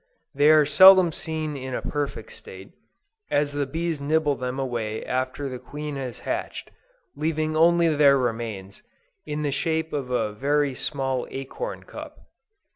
They are seldom seen in a perfect state, as the bees nibble them away after the queen has hatched, leaving only their remains, in the shape of a very small acorn cup.